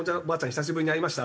久しぶりに会いました。